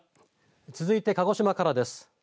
続いて鹿児島からです。